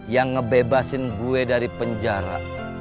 yang ngebebasin gue dari penjara